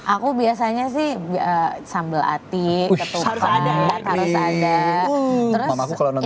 aku biasanya sih sambal atik ketupang datar datar